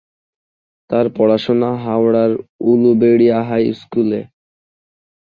তার পড়াশোনা হাওড়ার উলুবেড়িয়া হাই স্কুলে।